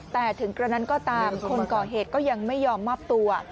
แต่ถึงกระนั้นก็ตามคนก่อเหตุก็ยังไม่ยอมมอบตัว